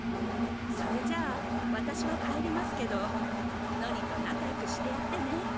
それじゃあわたしは帰りますけどノニとなかよくしてやってね。